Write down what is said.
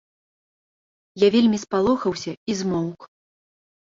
Я вельмі спалохаўся і змоўк.